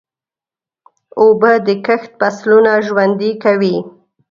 اوبه د کښت فصلونه ژوندي کوي.